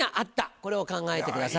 これを考えてください。